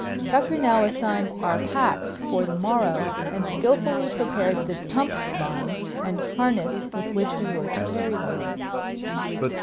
Tucker now assigned our packs for the morrow and skillfully prepared the tump lines and harness with which we were to carry them.